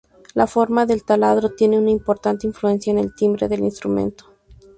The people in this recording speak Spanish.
La forma del taladro tiene una importante influencia en el timbre del instrumento.